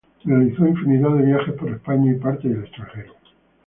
Realizó infinidad de viajes por España y parte de el extranjero.